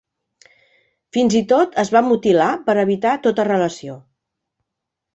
Fins i tot es va mutilar per evitar tota relació.